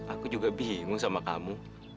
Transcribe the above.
aku juga bingung sama kamu